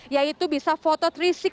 yaitu bisa foto tiga ratus enam puluh